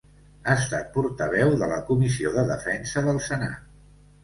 Ha estat portaveu de la Comissió de Defensa del Senat.